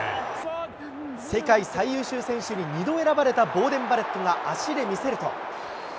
世界最優秀選手に２度選ばれたボーデン・バレットが足で見せると。